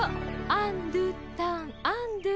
アンドゥターンアンドゥターン。